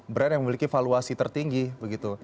brand yang memiliki valuasi tertinggi begitu